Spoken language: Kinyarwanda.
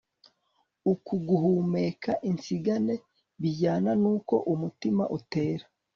uku guhumeka insigane bijyana n'uko umutima utera